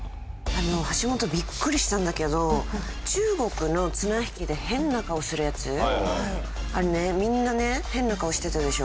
ハシモトビックリしたんだけど中国の綱引きで変な顔するやつあれねみんなね変な顔してたでしょ？